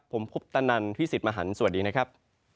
ผมคุปตะนันพี่สิทธิ์มหันฯสวัสดีนะครับ